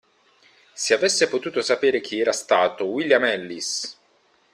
se avesse potuto sapere chi era stato William Ellis!